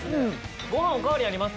ご飯お代わりあります？